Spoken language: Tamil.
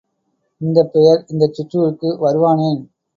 இந்தப் பெயர் இந்தச் சிற்றூருக்கு வருவானேன்?